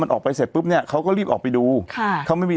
มันออกไปเสร็จปุ๊บเนี่ยเขาก็รีบออกไปดูค่ะเขาไม่มี